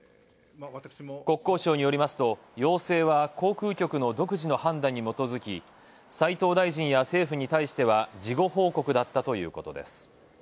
国交省によりますと、要請は航空局の独自の判断に基づき斉藤大臣や政府に対しては事後報告だったということです。